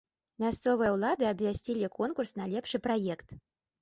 Мясцовыя ўлады абвясцілі конкурс на лепшы праект.